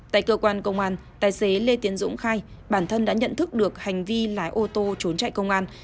tại cơ quan công an tài xế lê tiến dũng khai bản thân đã nhận thức được hành vi lái ô tô trốn chạy công an